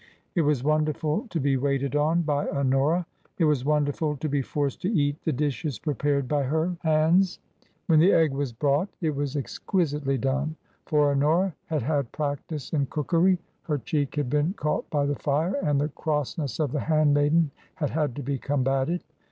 It was wonderful to be waited on by Honora ; it was wonderful to be forced to eat the dishes prepared by her o 27 314 TRANSITION. hands. When the egg was brought it was exquisitely done, for Honora had had practice in cookery ; her cheek had been caught by the fire, and the crossness of the handmaiden had had to be combated.